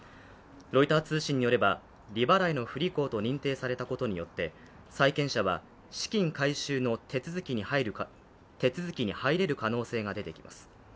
ロイター通信によれば、利払いの不履行と認定されたことによって債権者は資金回収の手続きに入れる可能性が出てきます。